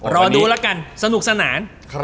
รอดูแล้วกันสนุกสนาน